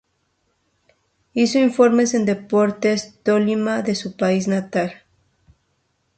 Hizo inferiores en Deportes Tolima de su país natal.